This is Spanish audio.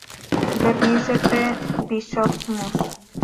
Bernice P. Bishop Mus.